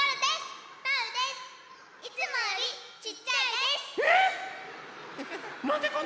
いつもよりちっちゃいです！